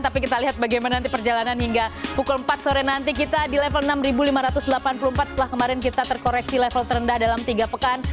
tapi kita lihat bagaimana nanti perjalanan hingga pukul empat sore nanti kita di level enam lima ratus delapan puluh empat setelah kemarin kita terkoreksi level terendah dalam tiga pekan